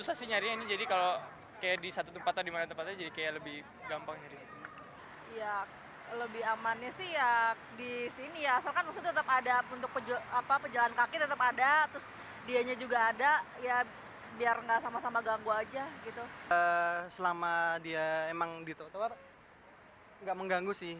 selama dia emang ditutup gak mengganggu sih